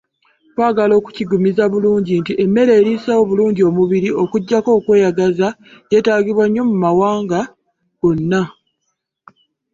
Twagala okiggumiza bulungi nti emmere eriisa obulungi omubiri okuggyako okweyagaza yeetaagibwa nnyo mu mawanga gonna.